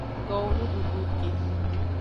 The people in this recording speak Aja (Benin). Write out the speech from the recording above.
Towo nududu ke.